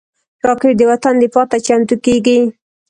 راکټ د وطن دفاع ته چمتو کېږي